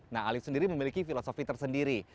nah alif sendiri memiliki filosofi tersendiri